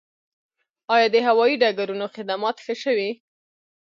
آیا د هوایي ډګرونو خدمات ښه شوي؟